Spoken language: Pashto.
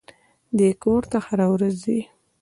دى کور ته هره ورځ ځي.